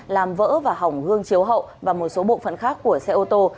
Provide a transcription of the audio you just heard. làm vỡ và hỏng gương chiếu hậu và một số bộ phận khác của xe ô tô